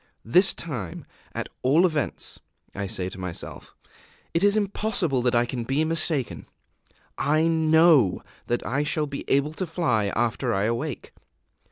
"This time, at all events," I say to myself, "it is impossible that I can be mistaken; I know that I shall be able to fly after I awake.